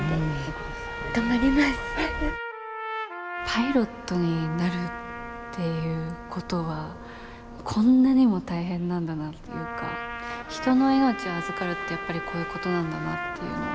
パイロットになるっていうことはこんなにも大変なんだなっていうか人の命を預かるってやっぱりこういうことなんだなっていうのは。